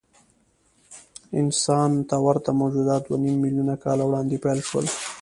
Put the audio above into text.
انسان ته ورته موجودات دوهنیم میلیونه کاله وړاندې پیدا شول.